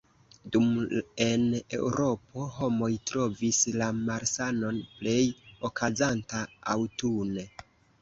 Dum en Eŭropo, homoj trovis la malsanon plej okazanta aŭtune.